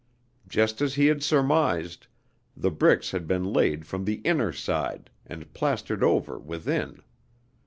Just as he had surmised, the bricks had been laid from the inner side, and plastered over within.